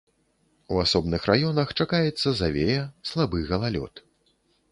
У асобных раёнах чакаецца завея, слабы галалёд.